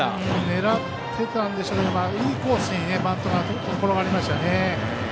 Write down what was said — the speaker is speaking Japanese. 狙っていたんでしょうけどいいコースにバントが転がりましたね。